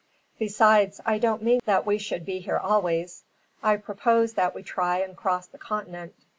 Besides, I don't mean that we should be here always. I propose that we try and cross the continent.